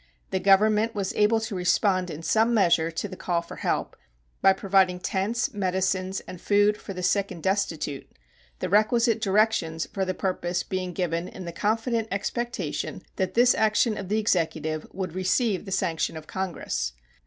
The Government was able to respond in some measure to the call for help, by providing tents, medicines, and food for the sick and destitute, the requisite directions for the purpose being given in the confident expectation that this action of the Executive would receive the sanction of Congress.